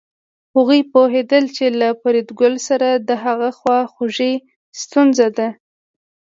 هغوی پوهېدل چې له فریدګل سره د هغه خواخوږي ستونزه ده